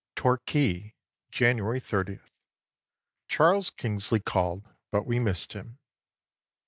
] "Torquay, January 30th. Charles Kingsley called, but we missed him.